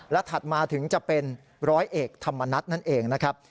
และถัดมาถึงจะเป็นร้อยเอกธรรมนัฐนั่นเองนะครับ